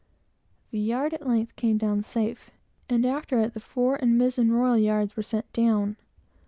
The yard at length came down safe, and after it, the fore and mizen royal yards were sent down.